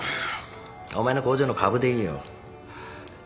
お前の工場の株でいいよ。